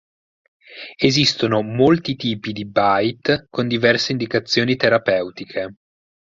Esistono molti tipi di bite con diverse indicazioni terapeutiche.